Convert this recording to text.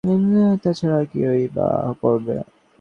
তাছাড়া, আর কী-ই বা করবে?